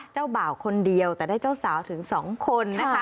เจ้าบ่าวคนเดียวแต่ได้เจ้าสาวถึง๒คนนะคะ